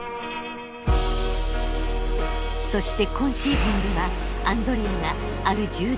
そして今シーズンではアンドレアがある重大な秘密を抱えることに！